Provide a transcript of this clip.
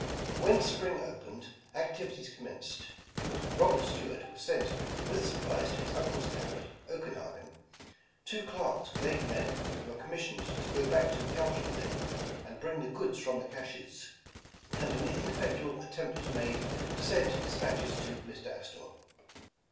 When spring opened, activities commenced. Robert Stuart was sent with supplies to his uncle's camp at Oakenagan; two clerks with eight men, were commis 194 Despatches to Mr. Astor sioned to go back to '* Caldron Linn" and bring the goods from the caches; and an ineffectual attempt was made to send despatches to Mr. Astor.